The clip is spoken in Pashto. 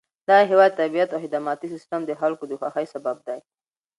دغه هېواد طبیعت او خدماتي سیستم د خلکو د خوښۍ سبب دی.